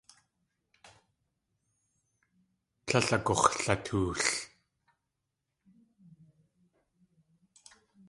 Tlél akagux̲latool.